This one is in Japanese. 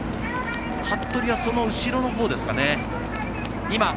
服部はその後ろの方ですかね。